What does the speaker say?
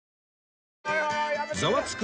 『ザワつく！